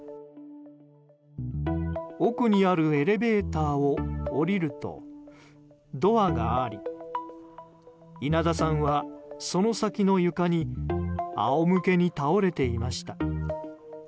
奥にあるエレベーターを降りるとドアがあり稲田さんは、その先の床にあおむけに倒れていました。